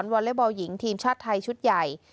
วอเล็กบอลหญิงทีมชาติไทยชุดใหญ่